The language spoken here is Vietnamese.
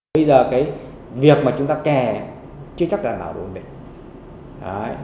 bây giờ cái việc mà chúng ta kè chưa chắc là nào ổn định